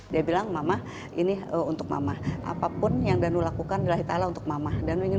dia bilang mama ini untuk mama apapun yang dan lakukan lahir allah untuk mama dan ingin